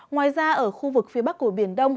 ngoài ra ở khu vực phía bắc của biển đông